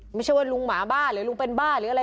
ไม่ใช่ว่าลุงหมาบ้าหรือลุงเป็นบ้าหรืออะไร